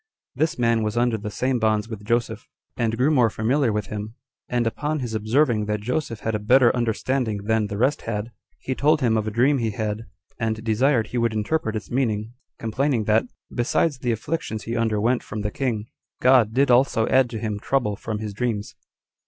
This man was under the same bonds with Joseph, and grew more familiar with him; and upon his observing that Joseph had a better understanding than the rest had, he told him of a dream he had, and desired he would interpret its meaning, complaining that, besides the afflictions he underwent from the king, God did also add to him trouble from his dreams.